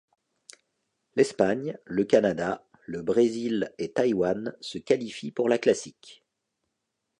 L'Espagne, le Canada, le Brésil et Taïwan se qualifient pour la Classique.